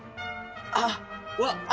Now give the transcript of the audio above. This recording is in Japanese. あっわっ。